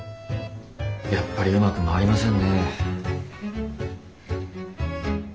やっぱりうまく回りませんね。